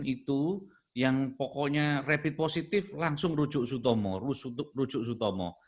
itu yang pokoknya rapid positif langsung rujuk rujuk sutomo